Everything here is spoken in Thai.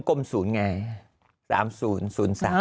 ดูยังไง๓ถูเลสป่ะ